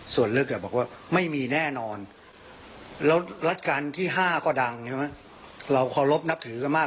ส่วนเลือกแบบบอกว่าไม่มีแน่นอนแล้วรัฐการณ์ที่๕ก็ดังเราขอรบนับถือก็มาก